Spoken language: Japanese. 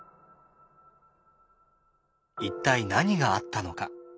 一体何があったのか？